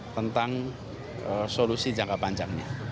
tentang solusi jangka panjangnya